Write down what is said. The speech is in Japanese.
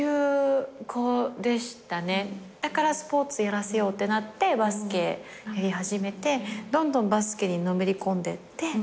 だからスポーツやらせようってなってバスケやり始めてどんどんバスケにのめり込んでってっていう。